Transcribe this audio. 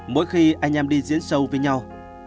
mỗi khi anh em đi diễn show với nhau